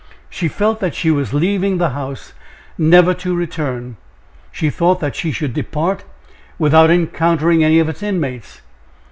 She felt that she was leaving the house never to return; she thought that she should depart without encountering any of its inmates.